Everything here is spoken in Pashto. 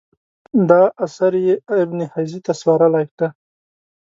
دا اثر یې ابن جزي ته سپارلی دی.